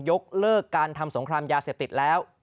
ยกเลิกการทำสงครามยาเสพติดแล้ว